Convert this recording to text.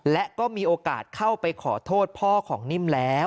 และก็มีโอกาสเข้าไปขอโทษพ่อของนิ่มแล้ว